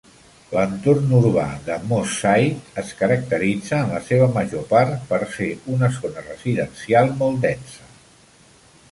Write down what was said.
L'entorn urbà de Moss Side es caracteritza en la seva major part per ser una zona residencial molt densa.